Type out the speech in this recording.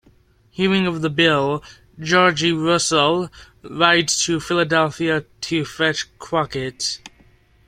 Hearing of the bill, Georgie Russell rides to Philadelphia to fetch Crockett.